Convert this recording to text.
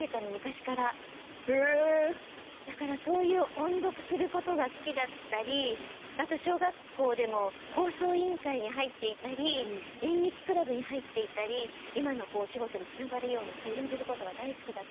だからそういう音読することが好きだったりあと小学校でも放送委員会に入っていたり演劇クラブに入っていたり今のお仕事につながるような演じることが大好きだった。